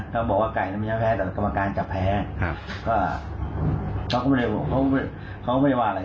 เขาก็ไม่ได้บอกเขาก็ไม่ได้ว่าอะไร